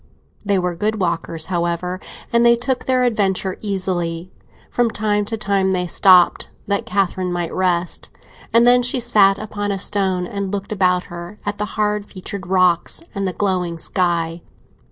They were good walkers, however, and they took their adventure easily; from time to time they stopped, that Catherine might rest; and then she sat upon a stone and looked about her at the hard featured rocks and the glowing sky.